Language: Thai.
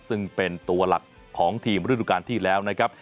ซึ่งเป็นตัวหลักของทีมฤดูการที่แล้วนะครับ